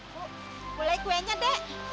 bu mulai kuenya deh